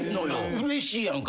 「うれしいやんか」